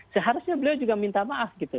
seharusnya beliau juga minta maaf gitu